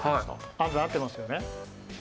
暗算、合っていますよね？